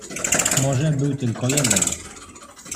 "Może był tylko jeden."